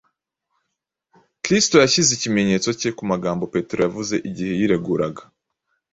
Kristo yashyize ikimenyetso cye ku magambo Petero yavuze igihe yireguraga.